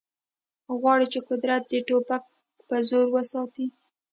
غواړي چې قدرت د ټوپک په زور وساتي